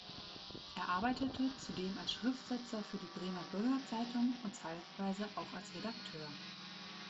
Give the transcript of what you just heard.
Er arbeitete zudem als Schriftsetzer für die Bremer Bürgerzeitung und zeitweise auch als Redakteur.